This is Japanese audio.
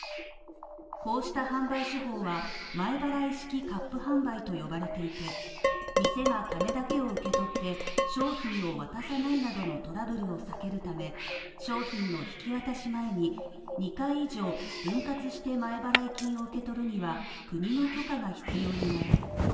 こうした販売手法は、前払式割賦販売と呼ばれていて、店は金だけを受け取って商品を渡さないなどのトラブルを避けるためで、商品の引渡し前に２回以上分割して前払い金を受け取るには国の許可が必要になる。